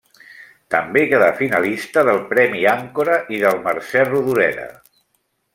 També queda finalista del premi Àncora i del Mercè Rodoreda.